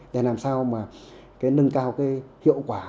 để làm sao mà nâng cao cái hiệu quả